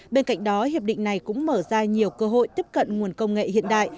bên cạnh đó hiệp định này cũng mở ra nhiều cơ hội tiếp cận nguồn công nghệ hiện đại